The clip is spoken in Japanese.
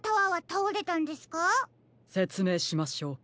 せつめいしましょう。